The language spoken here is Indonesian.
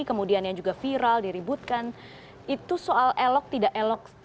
kemudian yang juga viral diributkan itu soal elok tidak elok